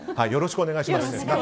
よろしくお願いします。